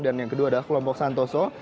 dan yang kedua adalah kelompok santoso